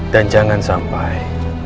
dan jangan sampai